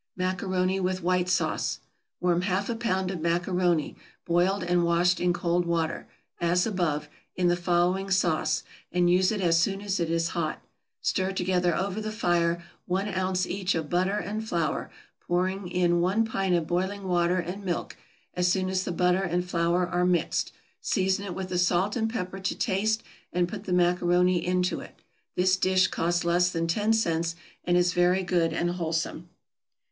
=Macaroni with White Sauce.= Warm half a pound of macaroni, boiled and washed in cold water, as above, in the following sauce, and use it as soon as it is hot. Stir together over the fire one ounce each of butter and flour, pouring in one pint of boiling water and milk, as soon as the butter and flour are mixed; season it with salt and pepper to taste, and put the macaroni into it. This dish costs less than ten cents, and is very good and wholesome.